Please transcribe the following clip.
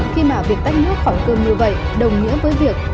khi mà việc tách nước phòng cơm như vậy đồng nghĩa với việc